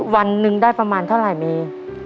วันหนึ่งได้ประมาณเท่าไหร่เมย์